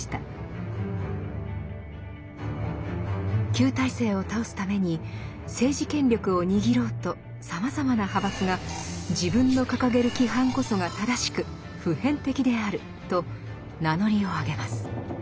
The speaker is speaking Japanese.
旧体制を倒すために政治権力を握ろうとさまざまな派閥が「自分の掲げる規範こそが正しく普遍的である！」と名乗りを上げます。